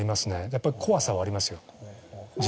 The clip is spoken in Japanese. やっぱり怖さはありますよ。